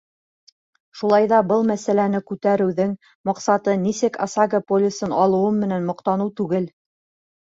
Шулай ҙа был мәсьәләне күтәреүҙең маҡсаты нисек ОСАГО полисын алыуым менән маҡтаныу түгел.